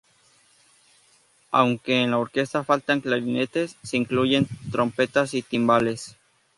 Aunque en la orquesta faltan clarinetes, se incluyen trompetas y timbales.